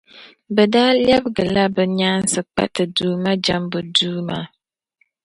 Bɛ daa lɛbigila bɛ yaansi kpa Ti Duuma jɛmbu duu maa.